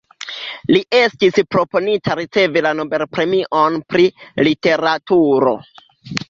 Li estis proponita ricevi la Nobel-premion pri literaturo.